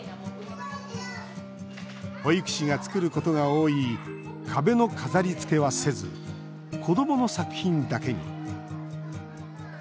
保育士が作ることが多い壁の飾りつけはせず子どもの作品だけに。